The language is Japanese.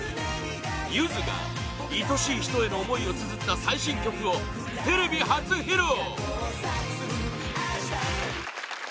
ゆずが、愛しい人への思いをつづった最新曲をテレビ初披露！